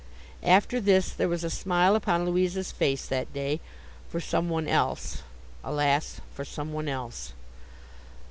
After this, there was a smile upon Louisa's face that day, for some one else. Alas, for some one else!